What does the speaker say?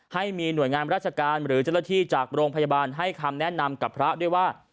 ให้มีหน่วยงานราชการหรือเจ้าหน้าที่จากโรงพยาบาลให้คำแนะนำกับพระด้วยว่า